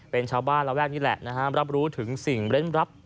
เป็นชาวบ้านระแวกนี้แหละนะครับรับรู้ถึงสิ่งเล่นรับ